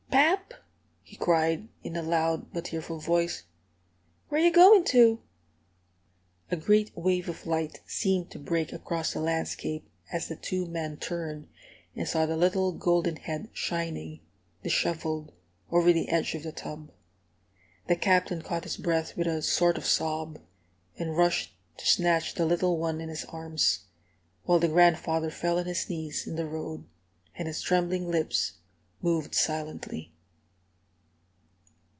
"Pap!" he cried, in a loud but tearful voice, "where you goin' to?" A great wave of light seemed to break across the landscape, as the two men turned and saw the little golden head shining, dishevelled, over the edge of the tub. The Captain caught his breath with a sort of sob, and rushed to snatch the little one in his arms; while the grandfather fell on his knees in the road, and his trembling lips moved silently.